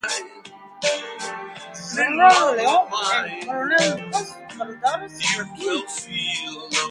General Leon and Colonel Lucas Balderas were killed.